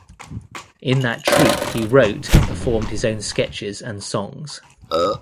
In that troupe he wrote and performed his own sketches and songs.